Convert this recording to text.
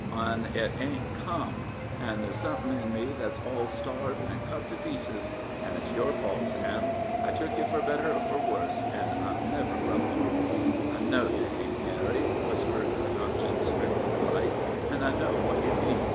An' it ain't come. An' there's somethin' in me that's all starved and cut to pieces. An' it's your fault, Sam. I tuk yer fur better or fur wuss, an' I've never grumbled." "I know yer hain't, Mary," whispered the conscience stricken Pike. "An' I know what yer mean.